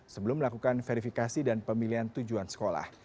sebelum melakukan verifikasi dan pemilihan tujuan sekolah